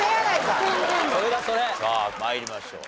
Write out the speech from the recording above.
さあ参りましょう。